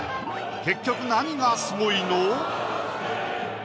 結局何がすごいの？